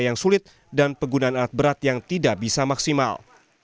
yang sulit dan penggunaan alat berat yang tidak bisa maksimal